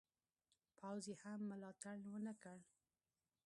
پوځ یې هم ملاتړ ونه کړ.